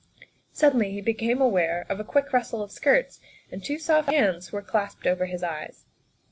Suddenly he became aware of a quick rustle of skirts, and two soft hands were clasped over his eyes.